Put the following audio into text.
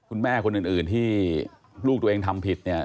คุณแม่คนอื่นที่ลูกตัวเองทำผิดเนี่ย